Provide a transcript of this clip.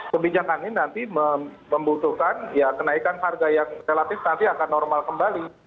kebijakan ini nanti membutuhkan ya kenaikan harga yang relatif nanti akan normal kembali